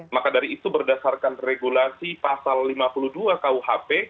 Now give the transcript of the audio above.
maka dari itu berdasarkan regulasi pasal lima puluh dua kuhp